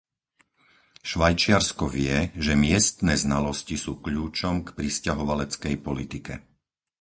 Švajčiarsko vie, že miestne znalosti sú kľúčom k prisťahovaleckej politike.